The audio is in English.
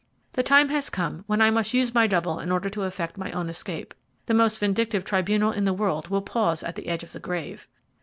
"'The time has come when I must use my double in order to effect my own escape. The most vindictive tribunal in the world will pause at the edge of the grave.